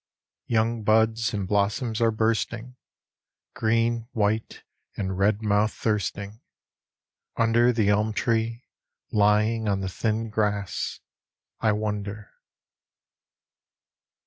Young buds And blossom are bursting Green, white And red mouth thirsting. Under The elm tree, lying On the Thin grass, I wonder.